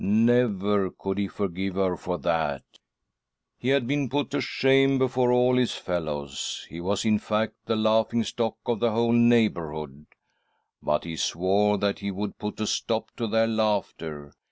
Never could he forgive her for that. .•" He had been put to shame before all his fellows ; he was, in fact, the laughing stock of 'the whole neighbourhood. But he swore that he Would put a stop to their laughter.